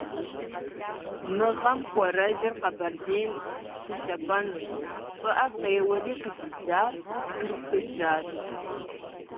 Мы гъэм хуэрэджэр Къабэрдейм щылъапӏэнущ, щӏыӏэ къеуэри къыдидзар пихыжащ.